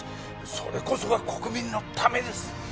それこそが国民のためです